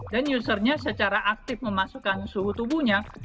dan usernya secara aktif memasukkan suhu tubuhnya